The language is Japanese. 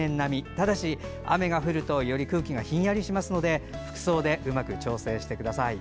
ただし雨が降るとより空気がひんやりしますので服装でうまく調整してください。